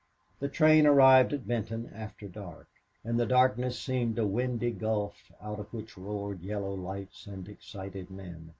The train arrived at Benton after dark. And the darkness seemed a windy gulf out of which roared yellow lights and excited men.